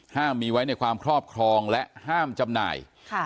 มีไว้ในความครอบครองและห้ามจำหน่าย